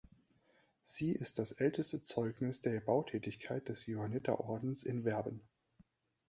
Sie ist das älteste Zeugnis der Bautätigkeit des Johanniterordens in Werben.